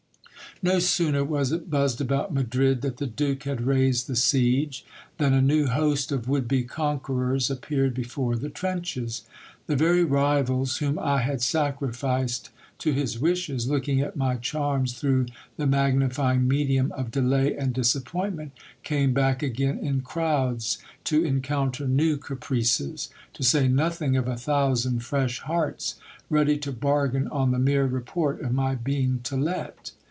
No sooner was it buzzed about Madrid, that the duke had raised the siege, than a new host of would be conquerors appeared before the trenches. The very rivals whom I had sacrificed to his wishes, looking at my charms through the magnifying medium of delay and disappointment, came back again in crowds to encounter new caprices ; to say nothing of a thousand fresh hearts, ready to bargain on the mere report of my being to let.